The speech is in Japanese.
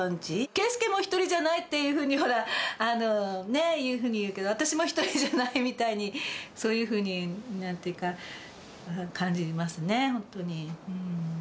佳祐も１人じゃないっていうふうに、ほら、いうふうに言うけど、私も１人じゃないみたいに、そういうふうに、なんていうか感じますね、本当に。